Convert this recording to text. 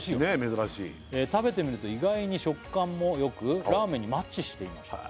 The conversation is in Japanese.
珍しい「食べてみると意外に食感もよくラーメンにマッチしていました」